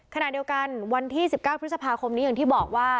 ขณะเดียวกันวันที่๑๙พฤษภาคมนี้อย่างที่บอกว่า